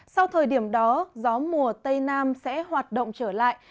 sau thời điểm đó gió mùa tây nam sẽ hoạt động trở lại